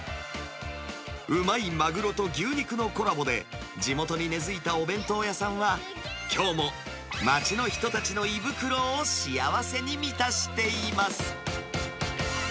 うまいマグロと牛肉のコラボで、地元に根づいたお弁当屋さんは、きょうも街の人たちの胃袋を幸せに満たしています。